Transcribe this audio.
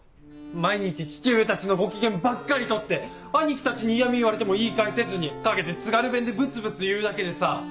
毎日父上たちのご機嫌ばっかり取って兄貴たちに嫌み言われても言い返せずに陰で津軽弁でブツブツ言うだけでさ。